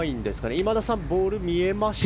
今田さん、ボール見えました？